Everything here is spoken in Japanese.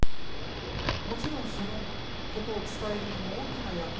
もちろんそのことを伝えるのも大きな役目です。